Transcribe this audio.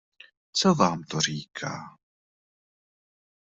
Co vám to říká?